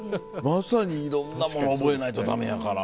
まさにいろんなもの覚えないとダメやから。